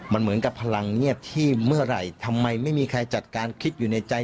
มันเหมือนกับพลังเงียบที่เมื่อไหร่ทำไมไม่มีใครจัดการคิดอยู่ในใจ